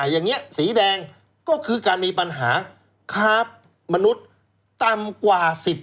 อย่างนี้สีแดงก็คือการมีปัญหาค้ามนุษย์ต่ำกว่า๑๐